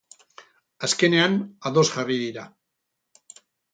Azkenean, ados jarri dira.